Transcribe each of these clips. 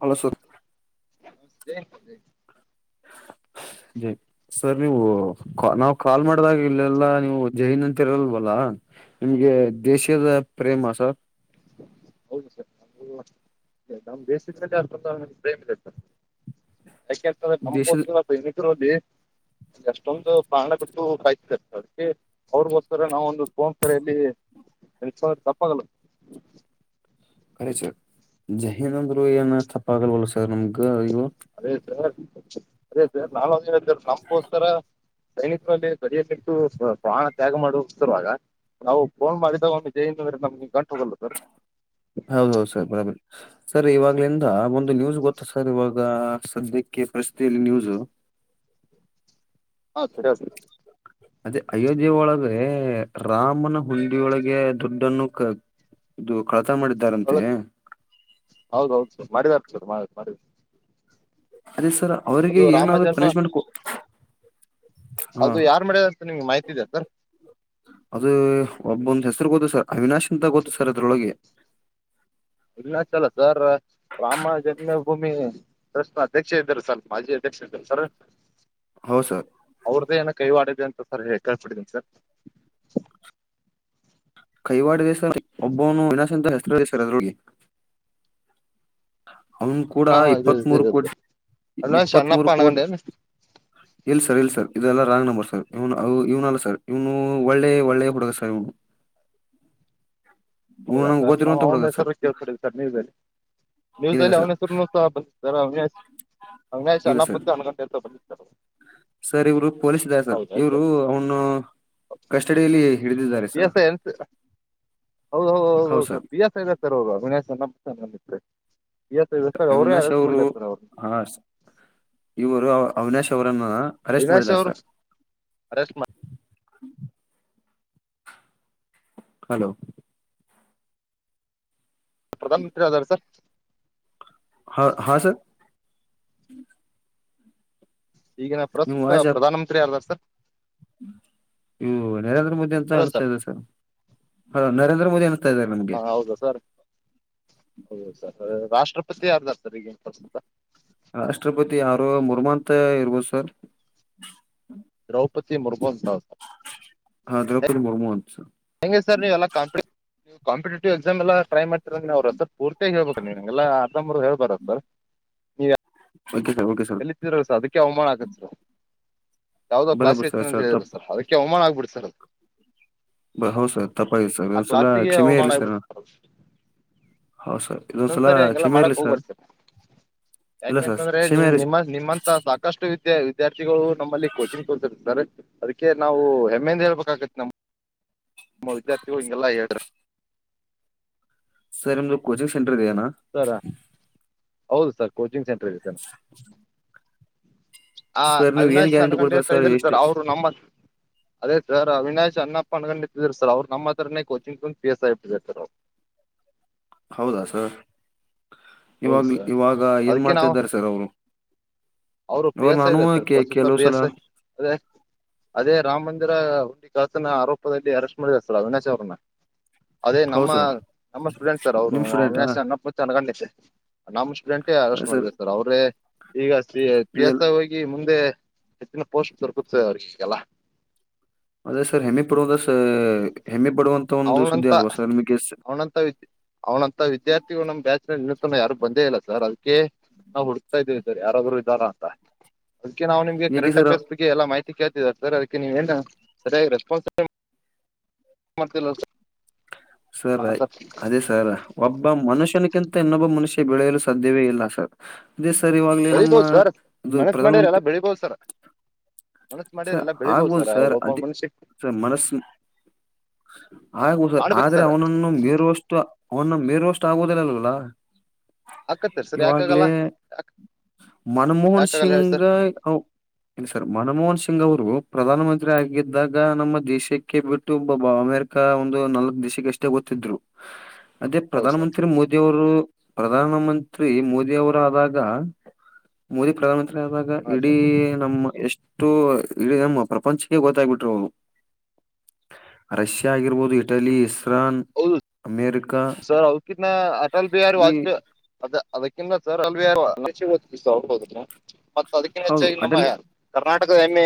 Hello sir [unintelligible] ಲೆ [unintelligible] sir ನೀವು ನಾವು call ಮಾಡಿದಾಗ ಇಲ್ಲೆಲ್ಲಾ ನೀವು ಜೈನ್ ಅಂತ ಇರಲ್ವಲ್ಲಾ ನಿಮ್ಗೆ ದೇಶದ ಪ್ರೇಮ ಸರ್ ಹೌದು ಸರ್ ನಮ್ ದೆಸದ ಪ್ರೇಮ್ ಇದೆ ಸರ ದೇಶದ [unintelligible] [unintelligible] [unintelligible] [inaudible] ಎಷ್ಟೊಂದು ಪ್ರಾಣ ಕೊಟ್ಟು ಕಾಯ್ತತರ್ ಅದಕ್ಕೆ ಅವ್ರಗೋಸ್ಕರ ನಾವ ಒಂದು [unintelligible] ಯಲ್ಲಿ ಪ್ಪ ತಪ್ಪಾಗಲ್ಲ ಕರೆ ಸರ್ ಜಹೀಿಂದ್ರಂದ್ರು ಏನ ತಪ್ಪ ಆಗಲ್ವಲ್ಲ ಸರ್ ನಮ್ಗ ಇವ ಅದೇ ಸರ್ ಅದೇ ಸರ್ [unintelligible] ನಮಗೋಸ್ತರ ಸೈನಿಕರಲ್ಲಿ ಬರಿಿಯಲ್ಲಿಟ್ಟು ಪ್ರಾಣ ತ್ಯಾಗ ಮಾಡು ಉತ್ತರುವಾಗ ನಾವು ಫೋನ್ ಮಾಡಿದಾಗ ಒಂದು [unintelligible] ನಮ್ಗೆ ಗಂಟು ಹೋಗಲ್ಲ ಸರ್ ಹೌದ ಹೌದು ಸರ್ ಬರಬರಿ ಸರ್ ಇವಾಗ್ಲಿಂದ ಒಂದು ನ್ಯೂಸ್ ಗೊತ್ತ ಸರ್ ಇವಾಗ ಈಗ ಸದ್ಯಕ್ಕೆ ಪ್ರಶ್ತಲ್ಲಿ ನ್ಯೂಸು ಹ ಸರಿ ಓಕೆ ಅದೇ ಅಯೋಧ್ಯ ಒಳಗ ರಾಮನ ಹುಂಡಿಯೊಳಗೆ ದುಡ್ಡನ್ನು ಕ ಇದು ಕಳತನ ಮಾಡಿದ್ದಾರಂತೆ ಹೌದೌದು ಸರ್ ಮಾಡಿದರ್ ಸರ್ ಮಾಡಿದ ಅದೇ ಸರ್ ಅವ್ರಿಗೆ ಏನಾದ್ರು ಜನ್ಮ ಪನಿಶ್ಮೆಂಟ್ ಕೊ [unintelligible] ಹಾ ಅದು ಯಾರು ಮಾಡ್ಯಾರ ಅಂತ ನಿಮ್ಗೆ ಮಾಹಿತಿ ಇದೆಯಾ ಸರ್ ಅದು ಒಬ್ಬಂದ [unintelligible] ಗೊತ್ತು ಸರ್ ಅವಿನಾಶ್ ಅಂತ ಗೊತ್ತು ಸರ್ ಅದ್ರೊಳಗೆ ಇಲ್ಲ [unintelligible] ಸರ್ ರಾಮ ಜನ್ಮಭೂಮಿ ಅಧ್ಯಕ್ಷ ಇದ್ದರು ಸರ್ ಮಾಜಿ ಅಧ್ಯಕ್ಷ ಇದ್ದರು ಸರ್ ಹೌದ್ ಸರ್ ಅವ್ರದ್ದೇ ಏನ ಕೈವಾಡ ಅಂತ ಸರಿ ಕಳ್ಪಿಟ್ಟಿದ್ದೀನಿ ಸರ್ ರ್ ಒಬ್ಬನು ವಿನಶಂತ ಹೆಸರು ದಸರ್ ಅದ್ರಲ್ಲಿ ಅವನ್ ಕೂಡ ಹಾ ಹಾ ಇದು ಇಪ್ಪತ್ತ್ ಮೂೂರು ಇದು ಕೋಟಿ ಅವಿನಾಶ್ ಇಪ್ಪತ್ತ್ ಅಣ್ಣಪ್ಪ ಮೂೂರು ಕೋಟಿ. ಅನಗಂಡೆ ಏನ್ ಇಲ್ ಸರ್ ಇಲ್ ಸರ್. ಇದೆಲ್ಲಾ ರಾಂಗ್ ನಂಬರ್ ಸರ್ ಇವನು ಇವ್ನಲ್ಲ ಅ ಸರ್ ಇವ್ನು ಒಳ್ಳೆ ಒಳ್ಳೇ ಹುಡಗ ಸರ್ ಇವನು. [inaudible] ಇವನು ಹೌದಾ ನಂಗೆ ಸರ್ ನಾವು ಗೊತ್ತಿರುವಂತ ಹುಡುಗ ಅವನ ಸರ್ ಹೆಸರು ಕೇಳ್ತ ಪಟಿದೀವಿ ಸರ್ ನೀವಲ್ಲಿ. ಇಲ್ಲ ನೀವುಸ್ಲ್ಲ ಸರ್ ಅವನ ಹೆವರು ಸ ಬಂದ ಅವ ಅಣ್ಣೇಶ್ ಇಲ್ಲ ಸರ್ ಮುು ಅಣಗಟೆ ಅಂತ ಬಂದ [inaudible] ಸರ್ ಇವರು ಪೊಲೀಸ್ ಇದಾರೆ ಸರ್ ಇವ್ರು ಅವನು, ಕಸ್ಟಡಿಯಲಿ ಹಿಡಿದಿದ್ದಾರೆ ಸ ಹೌದೌದು ಹೌದೌದು ಸರ್ ಪಿಯಸ್ ಇ ಸರ್ ಹೋಗುವ ವಿನಾಶ ನ್ರೆ ಅವಿನಾಶ್ ಅವರು ಹಾ ಇವರು ಅವಿನಾಶ್ ಅವರನ್ನ. ಅರೆಸ್ಟ್ ಅವಿನಾಶ್ ಮಾಡಿದ್ದಾರೆ ಅವರು ಸರ್ ಅರೆಸ್ಟ್ ಮಾ. [inaudible] ಹಲೋ. ಪ್ರಧಾನ ಮಂತ್ರಿ ಆದಾರ ಸರ್. ಹಾ ಹಾ ಸರ್ [inaudible] ಈಗಿನ ನಿಮ್ಮ ಪ್ರಸ್ತುತ ವಾಯ್ಸ್ ಪ್ರಧಾನಮಂತ್ರಿ ಯಾರ ಇದಾರ ಸರ್. ನರೇಂದ್ರ ಮೋದಿ ಅಂತ ಅನಸ್ತಾ ಇದೆ ಸರ್ ಹ ನರೇಂದ್ರ ಮೋದಿ ಅನ್ ಹಾ ಹೌದಾ ಸರ್. ಹೌ ಸರ್ ರಾಷ್ಟ್ರಪತಿ ಯಾರ ಅದಾರ ಈಗ ಪ್ರಸ್ತುತ. ರಾಷ್ಟ್ರಪತಿ ಯಾರೋ ಮುರ್ಮಾಂತ ಇರ್ಬೋದು ಸರ್. ದ್ರೌಪದಿ ಮುರ್ಮಾ ಅಂತಾ. ಹಾ ದ್ರೌಪದಿ ಮುರ್ಮು ಅಂತ ಸರ್ ಹೆಂಗೆ ಸರ್ ನೀವಲ್ಲಾಪ ಕಾಂಪಿಟೇಟಿವ್ ಎಕ್ಸಾಮ್ ಎಲ್ಲ ಟ್ರೈ ಮಾಡ್ ಅವರ ಹೆಸರಿನಲ್ಲಿ ಪೂರ್ತಿಯಾಗಿ ಹೇಳ್ಬೇಕ ನೀವಗೆಲ್ಲ ಅರ್ಧ್ರು ಹಳ್ಬಾರದು ಸರ್ ನೀವು. ಓಕೆ ಸರ್ ಓಕೆ ಸರ್ ಎಲ್ಲಿತಿದ್ರಲ್ಸ ಅದಕ್ಕೆ ಅವಮಾನ ಆಕತ್ಸ. ಯಾವದೋ ಕ್ಲಾಸ್ ಬರಾಬರ್ ಸರ್ ಹೆಚ್ಚಂತ ಹೇಳಿದ್ರು ತಪ್ ಸರ್ ಅದಕ್ಕೆ ಅವಮಾನ ಆಗ್ಬಿಡಿ ಸರ್ ಅದು. ಹೌದ ಸರ್ ತಪ್ಪ ಆಗೆತ ಸರ್ ಆ ಒಂದ್ಸಲ ಕ್ಲಾಸಿಗೆ ಕ್ಷಮೆ ಅವಮಾನ ಇರಲಿ ಸರ್ ಆಗ್ಬಿಡಿ ಅದು. How sir. ಇದೊಂದ ಸಲಾ ಇನ್ನೊಂದ್ಸರಿ ಹಂಗೆಲ್ಲ ಕ್ಷಮೆ ಇರ್ಲಿ ಮಾಡಕ್ ಸರ್. ಹೋಗ್ಬೇಡಿ ಇಲ್ಲ ಸರ್ ಯಾಕೆಂತಂದ್ರೆ ಕ್ಷಮೆ ನಿಮ ಇರ್ಲಿ ನಿಮ್ಮ ನಿಮ್ಮಂತಸ ಸಾಕಷ್ಟು. ವಿದ ವಿದ್ಯಾರ್ಥಿಗಳು ನಮ್ಮಲ್ಲಿ ಕೋಚಿಂಗ್ ಕೊತಿರ್ತಾರೆ. ನಾವು ಹೆಮ್ಮೆ ಇಂದ ಹೇಳ್ಬೇಕಾಗುತ್ತೆ. ನಮ ನಮ್ಮ ವಿದ್ಯಾರ್ಥಿಗಳು ಹಿಗೆಲ್ಲ ಹೇಳ್ರ ಸರ ನಿಮ್ದು ಕೊಚಿಂಗ್ ಸೆಂಟರ್ ಇದೆ ನಾ. ಹೌದು ಸರ್ ಕೋಚಿಂಗ್ ಸೆಂಟರ್ ಇದೆ ಸರ್. ಆ ಸರ್ ನೀವು ಏನ್ ಅವಿನಾಶ್ ಹರ ಗ್ಯಾರಂಟಿ ಗಂಡೆ ಕೊಡ್ತಾರೆ ಕಳ್ದ ಎಷ್ಟು ಸರ್ ಅವ್ರು ನಮ್ಮತ್ ಅದೇ ಸರ್ ಅವಿನಾಶ್ ಅಣಪ್ಪ ಅನ್ಕೊಂಡ್ ನಿದರು ಸರ್ ಅವ್ರರು ನಮ್ಮ ಹತ್ರನೇ ಕೋಚಿಂಗ್ಗ್ ಪಿ ಎಸ್ ಆಗಿಬಟ್ಟಿದ್ ಸರ್ ಅವರು. ಹೌದಾ ಸರ್. ಹೌದು ಇವಾಗ್ ಸರ್ ಇವಾಗ ಏನ್ ಅದಕ್ಕೆ ನಾವು ಮಾಡ್ತಿದ್ದಾರೆ ಸರ್ ಅವರು. ಅವರು ಪಿ ಇವಾಗ ಎಸ್ ಐ ನಾನು ಇದಾರೆ ಸರ್ ಪ್ರಸ್ತುತ ಕೆಲವು ಪಿ ಸಲ ಎಸ್ಐ ಅದೇ ಅದೇ ರಾಮಂದಿ ಅಂದ್ರ ಕಳ್ಳತನ ಆರೋಪದಲ್ಲಿ ಅರೆಸ್ಟ್ ಮಾಡಿದ್ದಾರೆ ಸರ್ ಅವಿನಾಶ್ ಅವ್ರನ್ನ. ಅದೇ ಹೌದು ನಮ್ಮ ಸರ್ ನಮ್ಮ ಸ್ಟೂಡೆಂಟ್ ಸರ್ ಅವ್ರು ನಿಮ್ ಸ್ಟೂಡೆಂಟಾ ಅವಿನಶ ಅನ್ನಪ್ಪತ್ತ ಅನ್ಗೊಂಡಲತೆ. ನಮ ಸ್ಟೂಡೆಂಟೇ ಅರೆಸ್ಟ್ ಮಾಡಿದೇವೆ ಸರ್ ಅವ್ರೆ ಈಗ ಪೀ ಪಿ ಎಸ್ ಇದೆಲ್ಲ ಐ ಹೋಗಿ ಮುಂದ ಮುಂದೆ ಹೆಚ್ಚಿನ ಪೋಸ್ಟ್ ದೊರಕತದೆ ಅವ್ರಿಗೆಲ್ಲ. ಅದೇ ಸರ್ ಹೆಮ್ಮೆ ಪಡುವಂತ ಸ ಹೆಮ್ಮೆ ಪಡುವಂತ ಒಂದು ಸುದ್ದಿ ಅವನಂತ ಅಲ್ವಾ ಸರ್ ನಿಮಗೆ ಸ- ಅವನಂತ ಅವ್ನಂತ ವಿದ್ಯಾರ್ಥಿಗಳು ನಮ್ಮ ಬ್ಯಾಚನ್ಯಾಗ ಇನ್ ಇನ್ನ್ ತನಾ ಯಾರು ಬಂದೇ ಇಲ್ಲ ಸರ್ ಅದಕ್ಕೆ ನಾವು ಹುಡುಕ್ತಾ ಇದ್ದೀವಿ ಸರ್ ಯಾರಾದ್ರರು ಇದ್ದಾರಾ ಅಂತ. ಅದಕ್ಕೆ ನಾವು ನಿಮ್ಗೆ ಏಕೆ ಕರೆಂಟ್ ಸರ್ ಅಫೇರ್ಸ್ ಬಗ್ಗೆ ಎಲ್ಲ ಮಾಹಿತಿ ಕೇಳ್ತಿದಿದ್ದಾರೆ ಸರ್ ಅದಕ್ಕೆ ನೀವ ಏನು ಸರಿಯಾಗಿ ರೆಸ್ಪಾನ್ಸ್ ಮಾಡ್ತಿಲ್ಲ ಸರ್. ಸರ್ ಅದೇ ಸರ್ ಒಬ್ಬ ಮನುಷ್ಯನ ಕಿಂತ ಇನ್ನೊಬ್ಬ ಮನುಷ್ಯ ಬೆಳೆಯಲು ಸಾಧ್ಯವೇ ಇಲ್ಲ ಸರ್. ಅದೇ ಸರ್ ಇವಾಗ್ಲೇ ನಮ್ಮ ಬೆಳಿಬೋದು ಸರ್ ಅದು ಮನಸ್ ಪ್ರಧಾನ ಮಾಡ್ಯಾರ ಎಲ್ಲ ಮಂತ್ರಿ. ಬೆಳಿಬೋದು ಸರ್ ಮನಸ್ ಸ ಮಾಡ್ಯಾರ ಎಲ್ಲ ಬೆಳಿಬೋದು ಆಗ್ಬೋದು ಸರ್ ಒಬ್ಬ ಅದೇ ಮನುಷ್ಯ ಸರ್ ಮನಸ್ಸಿನಾ ಆಗಬಹುದು ಮಾಡ್ಬೇಕು ಆದ್ರೆ ಸರ್ ಅವನನ್ನು ಮೇರುವಷ್ಟು ಅವನ ಮೇರುವಷ್ಟು ಆಗೋದಿಲ್ಲ ಅಲ್ವಲ್ಲ ಆಗುತ್ತೆ ಸರ್ ಯಾಕೆ ಆಗಲ್ಲ ಮನಮೋಹನ್ ಸಿಂಗ್ ಸರ್ ಮನಮೋಹನ್ ಸಿಂಗ್ ಸಿಂಗ್ ಅವರು ಪ್ರಧಾನಮಂತ್ರಿ ಆಗಿದ್ದಾಗ ನಮ್ಮ ದೇಶಕ್ಕೆ ಬಿಟ್ಟು ಒಬ್ಬ ಅಮೆರಿಕ ಒಂದು ನಲ್ಕ ದೇಶಕ್ಕೆ ಎಷ್ಟೇ ಗೊತ್ತಿದ್ರು ಅದೇ ಹೌದು ಪ್ರಧಾನ ಸರ್ ಮಂತ್ರಿ ಮೋದಿ ಅವರು ಪ್ರಧಾನ ಮಂತ್ರಿ ಮೋದಿವರ ಆದಾಗ ಮೋದಿ ಪ್ರಧಾನಮಂತ್ ಮಂತ್ರಿ ಹಾ ಆದಾಗಇಡೀ ಸರ್ ನಮ್ಮ ಎಷ್ಟು ಇಡೀ ನಮ್ಮ ಪ್ರಪಂಚಕ್ಕೆ ಗೊತ್ತಾಗಬಿಟ್ರು ಅವರು ರಷ್ಯಾ ಆಗಿರ್ಬೋದು ಇಟಲಿ ಇಸ್ರಾನ್ ಹೌದು ಅಮೇರಿಕಾ ಸರ್ಕಿ ಅಟಲ್ ಬಿಹಾರಿ ಈ ವಾಜಪೇಯಿ ಅದ ಅದೇ [unintelligible] ಮತ್ತ ಅದಕ್ಕಿನ್ ಹೌದು ಹೆಚ್ಚಾಗಿ ನಮ್ಮ ಅಟಲಿ ಕರ್ನಾಟಕದ ಹೆಮ್ಮೆ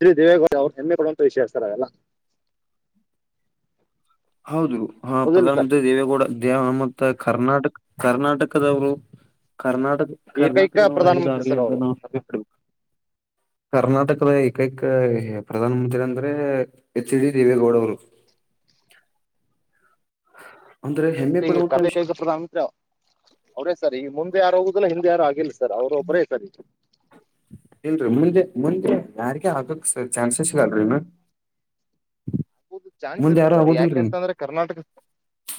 ಶೀ ದೇವೇಗೌಡ ಅವರು ಹೆಮ್ಮೆ ಪಡೋವಂತ ವಿಷಯ ಅವೆಲ್ಲ ಹೌದು ಹ ಹೌದಿಲ್ಲ ಪ್ರಧಾನ ಸರ್ ಮಂತ್ರಿ ದೇವೇಗೌಡ ದ್ಯಾವ ಹನುಮಂತ ಕರ್ನಾಟಕ ಕರ್ನಾಟಕದವರು ಕರ್ನಾಟಕ ಏಕೈಕ ಪ್ರಧಾನ ಮಂತ್ರಿ ಸರ್ ಅವರು ಕರ್ನಾಟಕವರಗಿದಾರಲ್ಲ ಕರ್ನಾಟಕದ ಏಕೈಕ ಪ್ರಧಾನ ಮಂತ್ರಿ ಅಂದ್ರೆ ಎಚ್ ಡಿ ದೇವೇಗೌಡ ಅವರು [inaudible] ಅಂದ್ರೆ ಹೆಮ್ಮೆ ಪಡುವಂತ ವಿಷಯ ಕರ್ನಾಟಕ ಪ್ರಧಾನ ಮಂತ್ರಿ ಅವ್ರೇ ಸರ್ ಈ ಮುಂದೆ ಯಾರು ಹೋಗುದಿಲ್ಲಾ ಹಿಂದೆ ಯಾರು ಆಗಿಲ್ಲ ಸರ್ ಅವ್ರ ಒಬ್ಬರೇ ಸರ್ ಈಗ ಇಲ್ರರಿ ಮುಂದೆ ಮುಂದೆ ಯಾರಿಗೇ ಆಗಕ್ ಚಾನ್ಸಸ್ ಇಗಲ್ರರಿನು [inaudible] ಆಗೊ ಚಾನ್ಸ್ ಇಲ್ಲ ಸರಿ ಯಾಕೆಂತಂದ್ರೆ ಕರ್ನಾಟಕ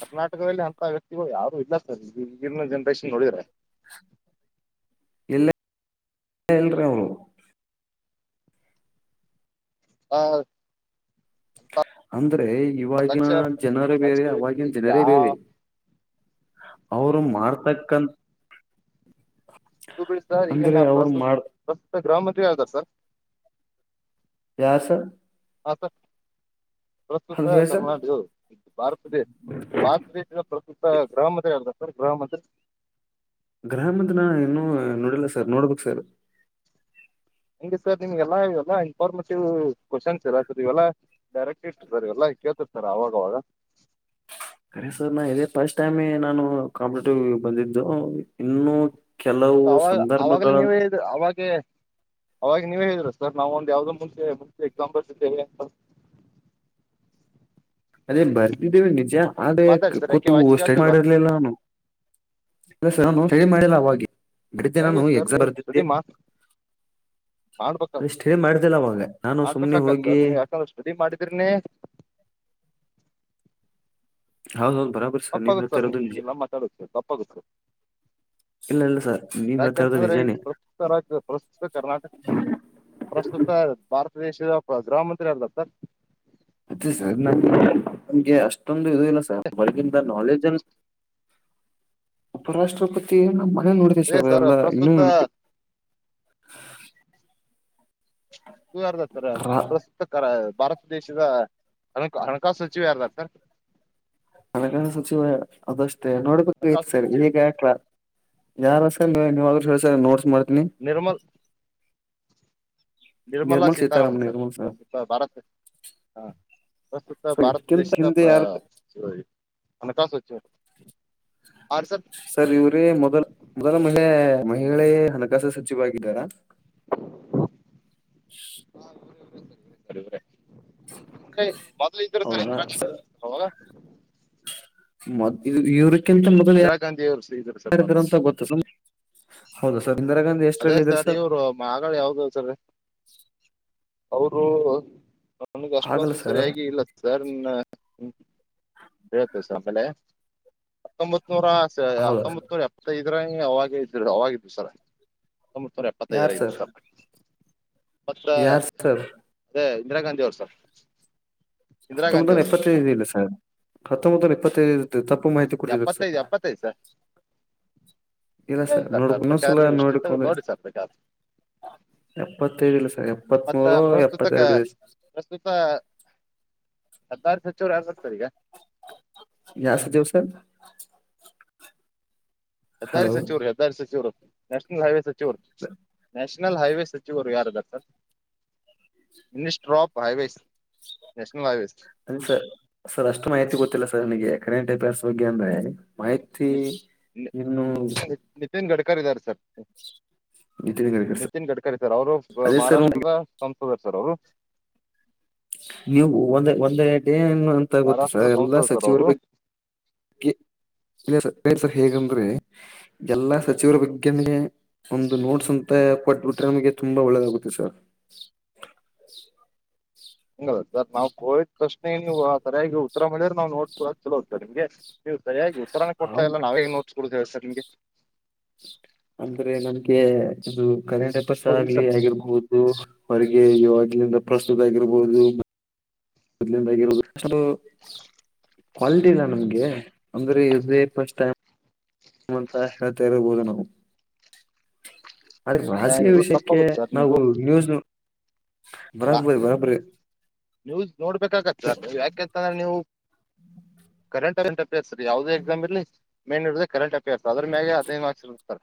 ಕರ್ನಾಟಕದಲ್ಲಿ ಅಂತ ವ್ಯಕ್ತಿಗಳು ಯಾರು ಇಲ್ಲ ಸರ್ ಈ ಈಗಿನ ಜನ್ರೇಷನ್ ನೋಡಿದ್ರೆ ಇಲ್ಲ ಇಲ್ಲಾರಿ ಹಾ ಅಂದ್ರೆ ಇವಾಗಿನ ಜನರ ಬೇರೆ ರಾಜಕೀಯ ವ್ಯಕ್ತಿ ಅವವಾಗಿನ ಜನರೇ ಬೇರೆ ಯಾರು ಅವರು ಮಾಡ್ತಕಾಂತ ಬಿ ಸರ್ ಈಗನ್ ಪ್ರಸ್ತುತ ಪ್ರಸ್ತುತ ಗ್ರಹ ಮಂತ್ರಿ ಯಾವ್ದಾರ ಯಾರ್ ಸರ್ ಹ ಸರ್ ಪ್ರಸ್ತುತ ಅದ ಹೇಳ ಕರ್ನಾಟಕವು ಭಾರತದೇಶ ಭಾರತ ದೇಶದ ಪ್ರಸ್ತುತ ಗ್ರಾಮದ ಗ್ರಾಮದಲ್ಲಿ ಗ್ರಾಮದ ನಾನು ಇನ್ನುೂ ನೋಡಿಲ್ಲ ಸರ್ ನೋಡ್ಬೇಕ ಸರ್ ಹಂಗೆ ಸರ್ ನಿಮ್ಗೆಲ್ಲಾ ಇವೆಲ್ಲ ಇನ್ಫಾರ್ಮೇಟಿವ್ ಕ್ವಶನ್ಸ್ ಇರಹಂದದ್ದು ಸರ್ ಇವೆಲ್ಲಾ ಡೈರೆಕ್ಟ್ ಇವೆಲ್ಲ ಕೇಳ್ತರ್ ಸರ್ ಆವಾಗವಾಗ [inaudible] ಸರ್ ನಾ ಇದೇ ಫಸ್ಟ್ ಟೈಮ್ ನಾನು ಕಾಂಪಿಟೇಟಿವ್ ಬಂದಿದ್ದು ಇನ್ನುೂ ಮತ್ ಅವಾಗ ಅವಾಗ್ಲೇ ನೀವ ಹೇಳಿದ್ರಿ ಅವಾಗ್ಲೇ ಅವಾಗ ನೀವೇ ಹೇಳಿದರು ಸರ್ ನಾವು ಯಾವ್ದೋ ಮುಂಚೆ ಮುಂಚೆ ಎಕ್ಸಾಮ್ ಬರೆದಿದೀವಿ ಅಂತ ಅದೇ ಬರ್ದಿದ್ದೇವಿ ನಿಜ ಆದೇ ಮಾತಾಡಿ ಸರ್ ಯಾಕೆ ಕೂತಿ ವಾಯ್ಸ್ ಸ್ಟಡಿ ಕೇಳ್ತಲ್ಲ ಮಾಡಿರ್ಲಿಲ್ಲ ಅವು ನಾನು ಸ್ಟಡಿ ಮಾಡಿಲ್ಲ ಅವಗೇ ನಾನು ಹೆಂಗೆ ಸರ್ ಎಕ್ಸಾಮ್ ನೀವು ಬರೆದಿದ್ದೆ ಸ್ಟಡಿ [inaudible] ಮಾ ಮಾಡ್ಬೇಕ ಸ್ಟಡಿ ಮಾಡ್ದಿಲ್ಲ ಅವಾಗ ನಾನು ಸುಮ್ನೆ ಮಾಡ್ಬೇಕಾಗತ್ ಹೋಗಿ ಸರ್ ನೀವು ಯಾಕಂದ್ರೆ ಸ್ಟಡಿ ಮಾಡಿದ್ರನೇ ಹೌ ಹೌದು ತಪ್ಪಾಗುತ್ತೆ ಸರ್ ನೀವು ಇಂಗೆಲ್ಲ ಮಾತಾಡೋದು ತಪ್ಪಾಗುತ್ತೆ ಸರ್ ಇಲ್ಲ ಇಲ್ಲ ಸರ್ ನೀವ್ ಹೇಳ್ತಾ ಇರೋದು ಯಾಕೆಂತಂದ್ರೆ ಈ ನಿಜಾನೇ ಪ್ರಸ್ತುತ ರಾಜ್ಯ ಪ್ರಸ್ತುತ ಕರ್ನಾಟಕ ಪ್ರಸ್ತುತ ಭಾರತ ದೇಶದ ಗೃಹಮಂತ್ರಿ ಸರ್ ಅದೇ ಸರ್ ನಗೆ ನಗೆ ಅಷ್ಟೊಂದು ಇದು ಇಲ್ಲ ಸರ್ ಹೊಳಗಿಂತ ನಾಲೆಜ್ ಉಪರಾಷ್ಟ್ರಪತಿ ಇ ನೋಡಿದೆ ಅದೇ ಸರ್ ಎಲ್ಲ ಇನ್ನೂ ಪ್ರಸ್ತುತ ನೆನಪು ಹತ್ತರ ನೆನಪಿ ಪ್ರಸ್ತುತ ಕರ ಭಾರತ ದೇಶದ ಹಣ ಹಣಕಾಸು ಸಚಿವ ಯಾರು ಸರ್ ಹಣಕಾಸು ಸಚಿವ ಅದಷ್ಟೇ ನೋಡ್ಬೇಕುಐ್ತ ಹಣಕಾಸು ಸರಿ ಸಚಿವ ಹೇಗ ಯಾಕ್ಲಾ ಯಾರ ನೀ ನೀವಾದ್ರೂ ಹೇಳಸರ್ ನೋಡ್ಸ್ ಮಾಡ್ತೀನಿ ನಿರ್ಮಲ್ ನಿರ್ಮಲಾ ಸೀತಾರಾಮನ್ ಸರ್ ಭಾರತ್ ಹಾ ಪ್ರಸ್ತುತ ಸೊ ಭಾರತ ಇದಕ್ಕಿಂತ ದೇಶದ ಹಿಂದೆ ಯಾರ ಹಣಕಾಸು ಆ ಸರ್ ಸರ್ ಇವರೇ ಮೊದಲ್ ಮೊದಲ ಮಹಿಳೆ ಮಹಿಳೆ ಹಣಕಾಸು ಸಚಿವಾಗಿದ್ದಾರಾ ಹ ಹೇ ಮೊದ್ಲು ಹೌದಾ ಸರ್. ಮೊದ್ ಇ ಇವ್ರ ಇಂದಿರಾ ಗಾಂಧಿ ಅವರು ಇದ್ರು ಸರ್ ಮೊದ್ಲು ಮೊದಂತ ಗೊತ್ತ ಹೌದು ಸರ್ ನಿ ಅದೇ ಸರ್ ಇವರು ಮಗಳ ಯಾವ್ದ ಸರ್ ಅವರು ನನಗೆ ಆಗಲ್ಲ ಅಷ್ಟೊಂದು ಸರ್ ಸರಿಯಾಗಿ ಇಲ್ಲ ಸರ್ ಹ್ಮ ದಿವಸ ಆಮೇಲೆ ಹತ್ತೊಂಬತ್ತು ಇನೂರ ಹೌದಾ ಹತ್ತೊಂಬ ನೂರ ಎಪ್ಪತ್ತೈದರ ಅವಾಗ ಇದ್ರು ಅವಾಗಿದ್ರು ಸರ್ ಒಂಬತ್ತುನೂರ ಯಾರ್ ಎಪ್ಪತ್ತೈದರಐದು ಸರ್ ಸ ಮತ್ತ ಯಾರ್ ಸರ್ ಅದೇ ಇಂದಿರಾ ಗಾಂಧಿ ಅವರು ಸರ್ ಇಂದಿರಾ ಗಾಂಧಿ ಹತ್ತೊಂಬತ್ತರ ಅವ್ರು ಸರ್ ಎಪ್ಪತ್ತೈದು ಇಲ್ಲ ಸರ್ ಹತ್ತೊಂಬತ್ತರ ಎಪ್ಪತ್ತೈದು ತಪ್ಪ ತಪ್ಪು ಮಾಹಿತಿ ಕೊಡ್ತಿದೀರಾ ಸರ್ ಎಪ್ಪತ್ತೈದು ಎಪ್ಪತ್ತೈದು ಸರ್ ಇಲ್ಲ ಏ ಸರ್ ನೋಡ್ಕ ಇನ್ನೊಂದ್ ಬೇಕಾದ್ರೆ ಸಲ ನೀವು ಹಿಸ್ಟ್ರಿ ತೆಗೆದು ನೋಡ್ಕೊಂಡ್ರೆ ನೋಡಿ ಸರ್ ಬೇಕಾದ್ರೆ ಇಪ್ಪತೈದಿಲ್ಲ ಸರ್ ಮತ್ತ ಎಪ್ಪತ್ಮೂರು ಪ್ರಸ್ತುತ ಎಪ್ಪತ್ತೆರಡು ಪ್ರಸ್ತುತ [inaudible] ಹೆದ್ದಾರಿ ಸಚಿವರು ಯಾರು ಸರ್ ಸರ್ ಈಗ ಯಾವ್ ಸಚಿವರು ಸರ್ ಹೆದ್ದಾರಿ ಸಚಿವರು ಹೆದ್ದಾರಿ ಸಚಿವರು ನ್ಯಾಷನಲ್ ಹೈವೇ ಸಚಿವರು ನ್ಯಾಷ್ ನಷನಲ್ ಹೈವೇ ಸಚಿವರು ಯಾರದಾರ್ sir minister of highways national highways ಅದೇ ಸರ್ ಸರ್ ಗೆ ಅಂದ್ರೆ ಮಾಹಿತಿ ಇನ್ನು ಕರಿದ್ದಾರೆ sir Nitin sir Nitin Gadkari sir ಅವರು ಅದೇ ಸರ್ ಮಹಾರಾಷ್ಟ್ರದ ಸಂಸದರ್ ಸರ್ ಅವರು ನೀವು ಒಂದ ಒಂದ ಡೇ ಅಂತ ಗೊತ್ತೆ ಮಹಾರಾಷ್ಟ್ರದ ಎಲ್ಲಾ ಸಂಸದ ಸರ್ ಸಚಿವರು ಅವರು ಬಗ್ಗೆ ಹೇಗಂದ್ರೆ ಎಲ್ಲಾ ಸಚಿವರ ಬಗ್ಗೆಂದ ಒಂದು ನೋಟ್ಸ್ ಅಂತ ಕೊಟ್ಬಿಟ್ರೆ ನಮಗೆ ತುಂಬಾ ಒಳ್ಳೆದಾಗುತ್ತೆ ಸರ್ ಅ ಹಂಗ ಸರ್ ನಾವ್ ಕೋಯಿದ್ ಪ್ರಶ್ನೆ ನೀವು ಸರಿಯಾಗಿ ಉತ್ತರ ಮಾಡಿದ್ರೆ ನಾವು ನೋಡ್ಕೂಡ ಚಲೋರ್ ನಿಮ್ಗೆ ಸರಿಯಾಗಿ ಉತ್ತರಾನ ಸರ್ ಕೊಡ್ತ ಇಲ್ಲ ನಾವು ನೋಡ್ಕ ಕೊಡ್್ಸರ್ ನಿಮಗೆ ಅಂದ್ರೆ ನನ್ಗೆ ಇದು ಕನ್ನಡಪಾಸ ಹೌದಿಲ್ಲ ಆಗ್ಲಿ ಸರ್ ಆಗಿರ್ಬಹುದು ಅವರಿಗೆ ಇವಾಗಿಲಿಂದ ಪ್ರಸ್ತುತ ಆಗಿರಬಹುದು ಮೊದ್ಲಿಳಲಿಂದ ಆಗಿರ್ಬೋದು ಕ್ವಾಲಿಟಿ ಇಲ್ಲ ನಮ್ಗೆ ಅಂದ್ರೆೇ ಇದೆ ಫಸ್ಟ್ ಟೈಮ್ ಅಂತ ಹೇಳ್ತಾ ಇರ್ಬೋದ ನಾವು ಅದ ಏ, ರಾಜಕೀಯ ಎಲ್ಲ ವಿಷಯಕ್ಕೆ ತಪ್ಪಾಗುತ್ತೆ ಸರ್ ನಾವು ನಿಮ್ದು ನ್ಯೂಸ್ನು ನ್ಯೂಸ್ ನೋಡ್ಬೇಕಾಗತ್ತ ಯಾಕೆಂತಂದ್ರೆ ನೀವು ಕರೆಂಟ್ ಅವಂಟ್ ಅಫೇರ್ಸ್ ರೀ ಯಾವದೇ ಎಕ್ಸಾಮ್ ಇರ್ಲ್ಲಿ ಮೇನ್ ನೋಡ ಕರೆಂಟ್ ಅಫೇರ್ಸ್ ಅ್ರ ಮ್ಯಲೆ ಹದಿನದು ಮಾರ್ಕ್ ಇರುತ್ತ ಸರ್